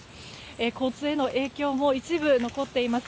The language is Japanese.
交通への影響も一部残っています。